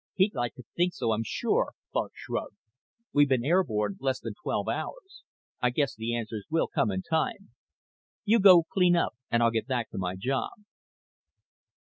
"He'd like to think so, I'm sure." Clark shrugged. "We've been airborne less than twelve hours. I guess the answers will come in time. You go clean up and I'll get back to my job."